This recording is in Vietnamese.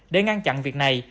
để ngăn chặn việc này